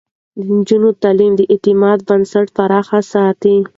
د نجونو تعليم د اعتماد بنسټونه پراخ ساتي.